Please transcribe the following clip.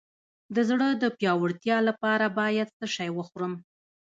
د زړه د پیاوړتیا لپاره باید څه شی وخورم؟